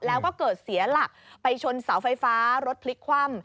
แล้วก็เกิดเสียหลักไปชนเสาไฟฟ้ารถพลิกคว่ำ